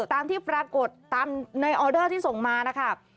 ตามที่ปรากฏตามในออเดอร์ที่ส่งมานะคะ